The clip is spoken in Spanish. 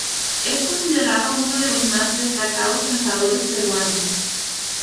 Es considerado uno de los más destacados pensadores peruanos.